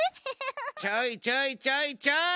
・ちょいちょいちょいちょい！